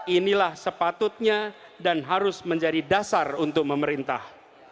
inilah sepatutnya dan harus menjadi dasar untuk memerintah